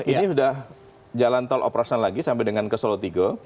ini sudah jalan tol operasional lagi sampai dengan ke solotigo